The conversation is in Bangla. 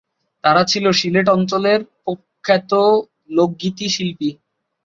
তারা ছিলো সিলেট অঞ্চলের প্রখ্যাত লোকগীতি শিল্পী।